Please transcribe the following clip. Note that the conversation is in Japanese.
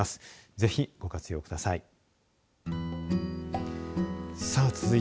ぜひ、ご活用ください。